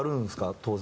当然。